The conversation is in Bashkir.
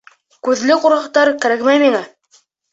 Күҙле ҡурҡаҡтар кәрәкмәй миңә.